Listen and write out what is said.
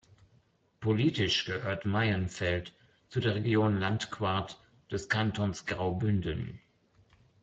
Politisch gehört Maienfeld zu der Region Landquart des Kantons Graubünden.